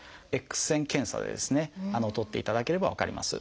Ｘ線検査でですね撮っていただければ分かります。